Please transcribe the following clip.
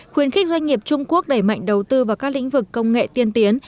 khuyến khích doanh nghiệp trung quốc đẩy mạnh đầu tư vào các lĩnh vực công nghệ tiên tiến